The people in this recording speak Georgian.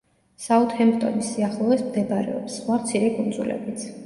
საუთჰემპტონის სიახლოვეს მდებარეობს, სხვა მცირე კუნძულებიც.